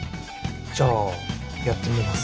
じゃあやってみます。